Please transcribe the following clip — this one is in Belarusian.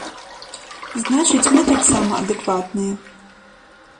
Значыць, мы таксама адэкватныя.